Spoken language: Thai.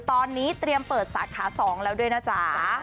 ตอนนี้เตรียมเปิดสาขา๒แล้วด้วยนะจ๊ะ